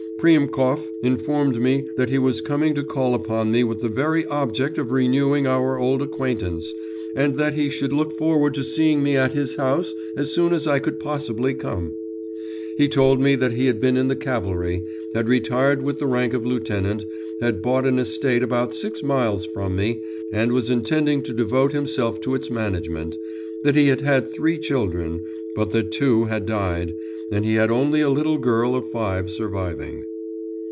Priemkov informed me that he was coming to call upon me with the very object of renewing our old acquaintance, and that he should look forward to seeing me at his house as soon as I could possibly come. He told me he had been in the cavalry, had retired with the rank of lieutenant, had bought an estate about six miles from me, and was intending to devote himself to its management, that he had had three children, but that two had died, and he had only a little girl of five surviving.